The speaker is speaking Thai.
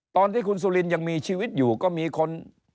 ตอนที่คุณสุลินยังมีชีวิตอยู่ก็มีคน